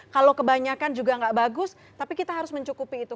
kalau kebanyakan juga nggak bagus tapi kita harus mencukupi itu